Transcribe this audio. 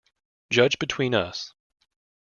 Judge between us.